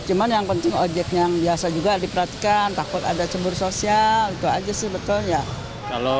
cuma yang penting ojek yang biasa juga diperhatikan takut ada cemburu sosial gitu aja sih betul ya